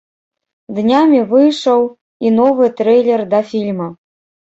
Днямі выйшаў і новы трэйлер да фільма.